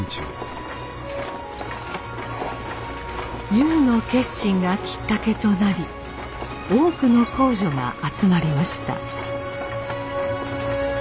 ゆうの決心がきっかけとなり多くの工女が集まりました。